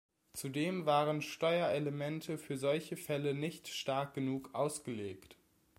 Zudem waren Steuerelemente für solche Fälle nicht stark genug ausgelegt.